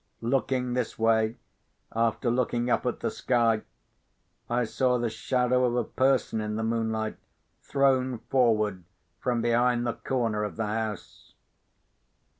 Looking this way, after looking up at the sky, I saw the shadow of a person in the moonlight thrown forward from behind the corner of the house.